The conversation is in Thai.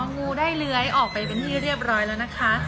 งูได้เลื้อยออกไปเป็นที่เรียบร้อยแล้วนะคะ